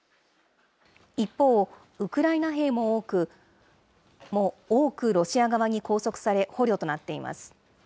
一方、ウクライナ兵も多くロシア側に拘束され、捕虜となっています。